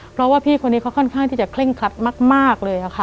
เพราะว่าพี่คนนี้เขาค่อนข้างที่จะเคร่งครัดมากเลยค่ะ